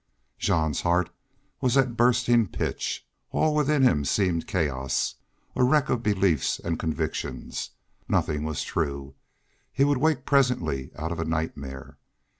Jean's heart was at bursting pitch. All within him seemed chaos a wreck of beliefs and convictions. Nothing was true. He would wake presently out of a nightmare.